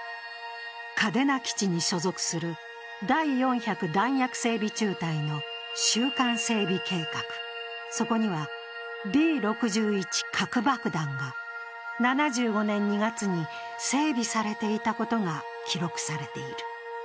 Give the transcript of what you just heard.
嘉手納基地に所属する第４００弾薬整備中隊の収監整備計画、そこにはＢ６１核爆弾が７５年２月に整備されていたことが記録されている。